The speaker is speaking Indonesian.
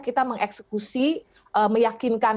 kita mengeksekusi meyakinkan